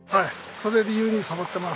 それ理由にサボってます。